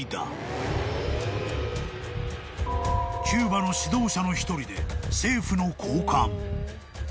［キューバの指導者の一人で政府の高官］